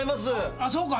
あっそうか？